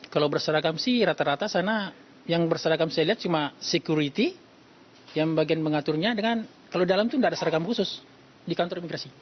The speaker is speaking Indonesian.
kalau berseragam sih rata rata sana yang berseragam saya lihat cuma security yang bagian mengaturnya dengan kalau dalam itu tidak ada seragam khusus di kantor imigrasi